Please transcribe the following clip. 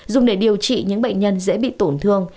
dùng để điều trị những bệnh nhân dễ bị tổn thương